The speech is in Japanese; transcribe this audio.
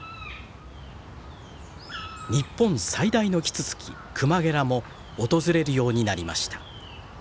日本最大のキツツキクマゲラも訪れるようになりました。